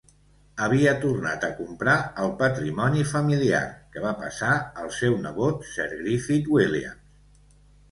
Havia tornat a comprar el patrimoni familiar, que va passar al seu nebot Sir Griffith Williams.